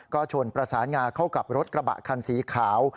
ก็ชนประสานงาเข้ากับรถกระบะคันสีขาว